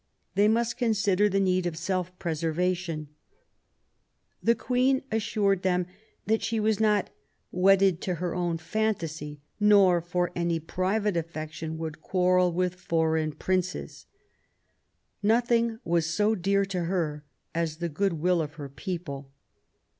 They must consider the need of self preservation* The Queen assured them that she was PROBLEMS OF THE REIGN. 51 not " wedded to her owh fantasy, nor for any private affection would quarrel with foreign princes/* nothing was so dear to her as the good will of her people.